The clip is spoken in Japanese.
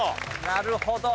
なるほど。